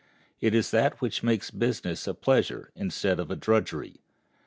It is that which makes business a pleasure instead of a drudgery.